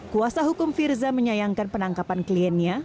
kuasa hukum firza menyayangkan penangkapan kliennya